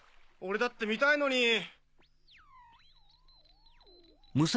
俺だって見たいのに。